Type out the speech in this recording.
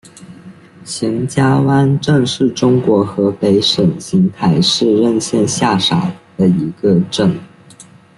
邢家湾镇是中国河北省邢台市任县下辖的一个镇。